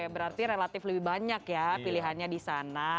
berarti relatif lebih banyak ya pilihannya di sana